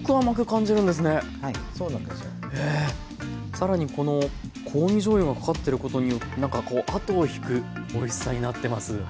更にこの香味じょうゆがかかってることによってなんかこうあとを引くおいしさになってます。